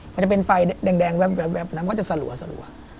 มันจะเป็นไฟแดงแวบก็จะสะลัว